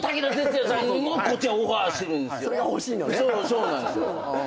そうなんすよ。